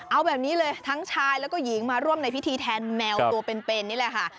เอาแบบนี้เลยทั้งชายแล้วก็หญิงมาร่วมในพิธีแทนแมวตัวเป็นนี่แหละค่ะ